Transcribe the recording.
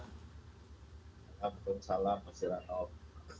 assalamualaikum salam mas jirat al